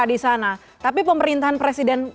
di sana tapi pemerintahan presiden